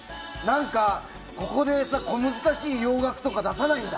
ここで小難しい洋楽とか出さないんだ。